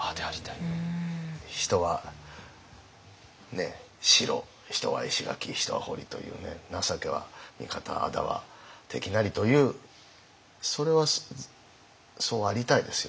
人は城人は石垣人は堀というね情けは味方仇は敵なりというそれはそうありたいですよね。